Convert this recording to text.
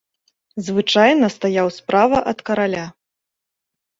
Звычайна стаяў справа ад караля.